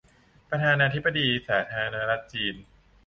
ประธานาธิปดีสาธารณรัฐจีน